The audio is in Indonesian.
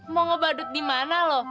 mau ngebadut di mana loh